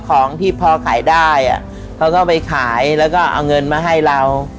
ของที่พอขายได้เขาก็ไปขายแล้วก็เอาเงินมาให้เรา